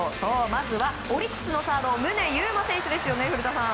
まずはオリックスのサード宗佑磨選手ですよね、古田さん。